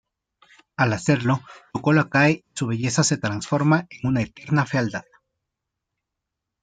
Al hacerlo, su cola cae y su belleza se transforma en una eterna fealdad.